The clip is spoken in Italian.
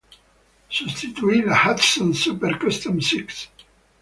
Sostituì la Hudson Super Custom Six.